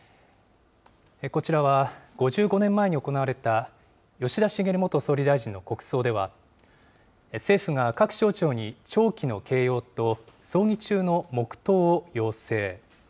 こちらは、５５年前に行われた吉田茂元総理大臣の国葬では、政府が各省庁に、弔旗の掲揚と葬儀中の黙とうを要請。